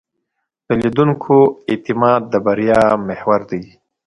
د لیدونکو اعتماد د بریا محور دی.